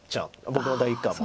僕の第一感も。